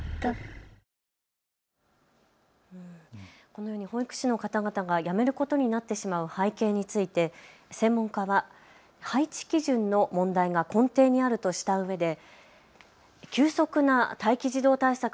このように保育士の方々が辞めることになってしまう背景について専門家は配置基準の問題が根底にあるとしたうえで。